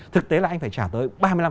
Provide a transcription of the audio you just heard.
thực tế là anh phải trả tới ba mươi năm